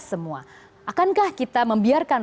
semua akankah kita membiarkan